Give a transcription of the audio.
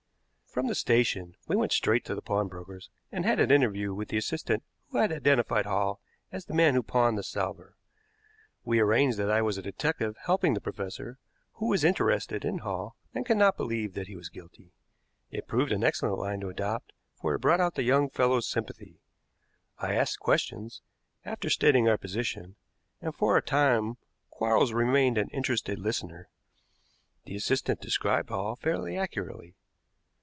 From the station we went straight to the pawnbroker's and had an interview with the assistant who had identified Hall as the man who pawned the salver. We arranged that I was a detective helping the professor, who was interested in Hall, and could not believe that he was guilty. It proved an excellent line to adopt, for it brought out the young fellow's sympathy. I asked questions, after stating our position, and for a time Quarles remained an interested listener. The assistant described Hall fairly accurately.